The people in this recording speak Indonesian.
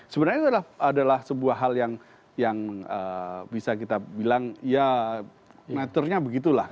sebenarnya itu adalah sebuah hal yang bisa kita bilang ya nature nya begitu lah